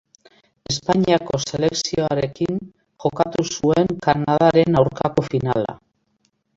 Espainiako selekzioarekin jokatu zuten Kanadaren aurkako finala.